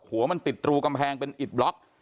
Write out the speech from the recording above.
หัวมันติดรูกำแพงเป็นอิดบล็อก